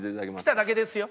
来ただけですよ。